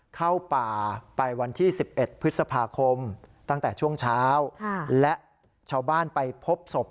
เข้าป่าไปวันที่๑๑พฤษภาคมตั้งแต่ช่วงเช้าและชาวบ้านไปพบศพ